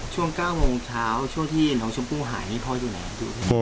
ช่วง๙โมงเช้าช่วงที่น้องชมพู่หายนี่พ่ออยู่ไหน